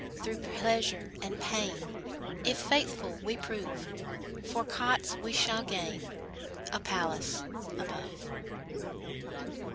Through pleasure and pain, If faithful we prove, For cots we shall gain A palace above.